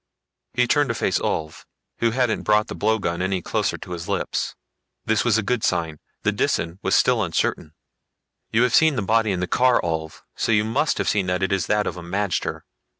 He turned to face Ulv, who hadn't brought the blowgun any closer to his lips. This was a good sign the Disan was still uncertain. "You have seen the body in the car, Ulv. So you must have seen that it is that of a magter.